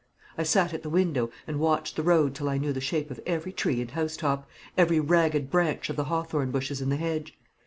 I sat at the window and watched the road till I knew the shape of every tree and housetop, every ragged branch of the hawthorn bushes in the hedge.